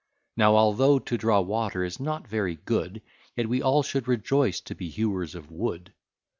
Now, although to draw water is not very good, Yet we all should rejoice to be hewers of Wood.